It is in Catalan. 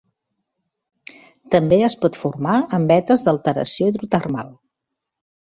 També es pot formar en vetes d'alteració hidrotermal.